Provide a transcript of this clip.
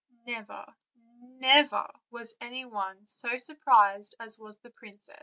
Never, never, was any one so surprised as was the princess.